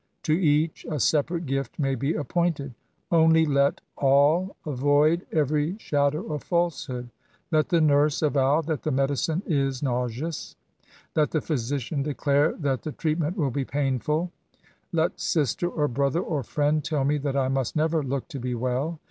To each a separate gifk may be appointed. Only let all avoid every shadow of falsehood. Let the nurse avow that the medicine is nauseous. Let the physician declare that the treatment will be painful. Let sister, or brother, or friend, tell me that I must never look to be well.